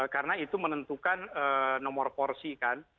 karena itu menentukan nomor porsi kan